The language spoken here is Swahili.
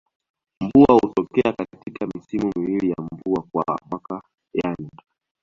Mvua hutokea katika misimu miwili ya mvua kwa mwaka yani